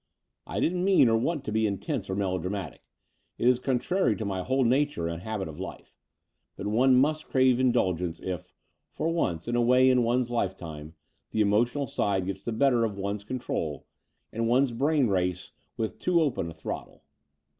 I didn't mean or want to be intense or melo dramatic — ^it is contrary to my whole nature and habit of life — ^but one must crave indulgence if, for once in a way in one's life time, the emotional side get the better of one's control, and one's brain race with too open a throttle.